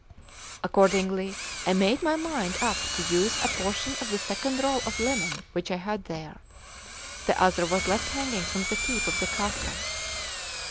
Accordingly I made my mind up to use a portion of the second roll of linen which I had there; the other was left hanging from the keep of the castle.